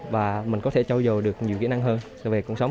và mình có thể trau dồi được nhiều kỹ năng hơn về cuộc sống